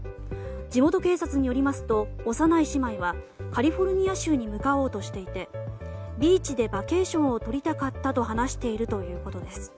地元警察によりますと幼い姉妹はカリフォルニア州に向かおうとしていてビーチでバケーションをとりたかったと話しているということです。